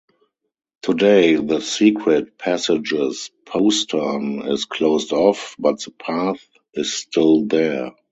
Today, the secret passage's postern is closed off, but the path is still there.